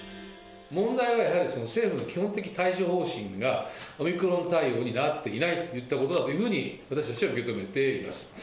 問題はやはり政府の基本的対処方針が、オミクロン対応になっていないといったことだというふうに、私たちは受け止めています。